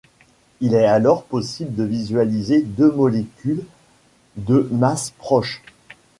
Il est alors possible de visualiser deux molécules de masses proches.